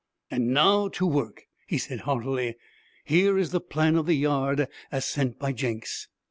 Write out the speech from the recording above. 'And now to work!' he said, heartily. 'Here is the plan of the yard as sent by Jenks.'